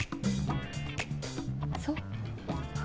そう。